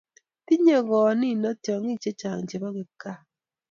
tinyei koot nino tyong'ik chechang' chebo kipgaa